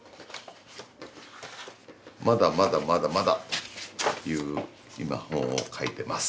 「まだまだまだまだ」っていう今本を描いてます。